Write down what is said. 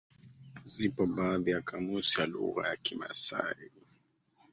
Zipo baadhi ya kamusi ya lugha ya kimasai